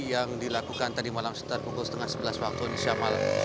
yang dilakukan tadi malam sekitar pukul setengah sebelas waktu indonesia malam